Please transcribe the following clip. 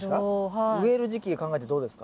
植える時期で考えてどうですか？